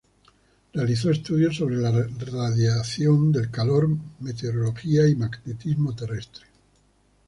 Realizó estudios sobre la radiación del calor, meteorología y magnetismo terrestre.